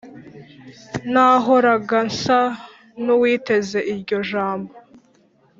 nahoraga nsa nuwiteze iryo jambo